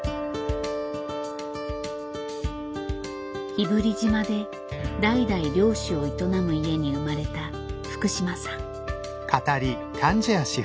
日振島で代々漁師を営む家に生まれた福島さん。